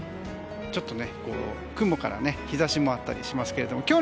ちょっと雲から日差しもあったりしますけども。